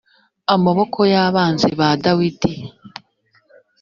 amaboko y abanzi ba dawidi